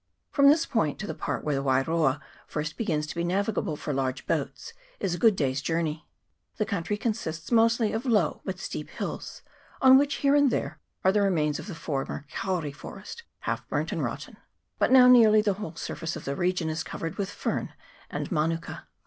From this point to the part where the Wairoa first begins to be navigable for large beats is a good day's journey. The coun try consists mostly of low but steep hills, on which CHAP. XIX.] WAIROA RIVER. 261 here and there are the remains of the former kauri forest, half burnt and rotten ; but now nearly the whole surface of the region is covered with fern and manuka.